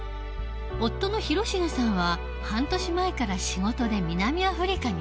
夫の広重さんは半年前から仕事で南アフリカにいる。